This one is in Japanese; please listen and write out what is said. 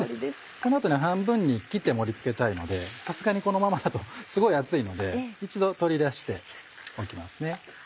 この後に半分に切って盛り付けたいのでさすがにこのままだとすごい熱いので一度取り出しておきますね。